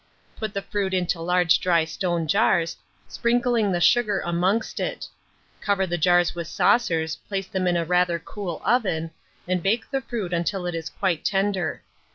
Put the fruit into large dry stone jars, sprinkling the sugar amongst it; cover the jars with saucers, place them in a rather cool oven, and bake the fruit until it is quite tender.